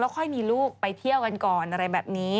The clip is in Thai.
ค่อยมีลูกไปเที่ยวกันก่อนอะไรแบบนี้